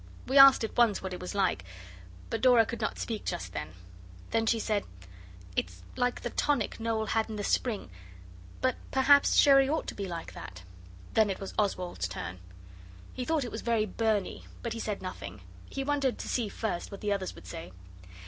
We asked at once what it was like, but Dora could not speak just then. Then she said, 'It's like the tonic Noel had in the spring; but perhaps sherry ought to be like that.' Then it was Oswald's turn. He thought it was very burny; but he said nothing. He wanted to see first what the others would say.